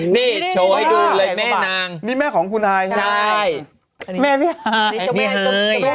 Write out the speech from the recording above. นี่โชว์ให้ดูเลยแม่นางนี่แม่ของคุณไอใช่แม่พี่ไอนี่เฮ้ย